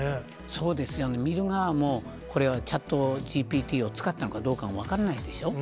そうですよ、見る側もこれはＣｈａｔＧＰＴを使ったのかどうかも分からないでしょ。